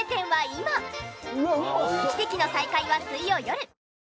奇跡の再会は水曜よる。